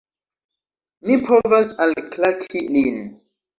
Mi povas alklaki lin!